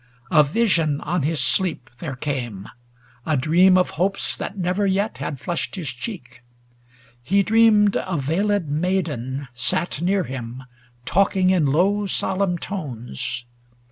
A vision on his sleep There came, a dream of hopes that never yet 15a Had flushed his cheek. He dreamed a veiled maid Sate near him, talking in low solemn tones.